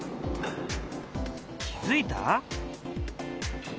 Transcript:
気付いた？